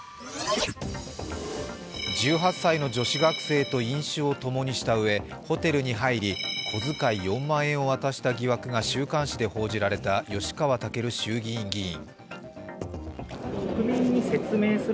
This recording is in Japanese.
１８歳の女子学生と飲酒をともにしたうえ、ホテルに入り小遣い４万円を渡した疑惑が週刊誌で報じられた吉川赳衆議院議員。